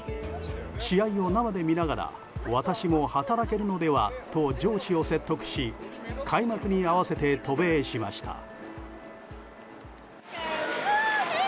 試合を生で見ながら私も働けるのではと上司を説得し開幕に合わせて渡米しました。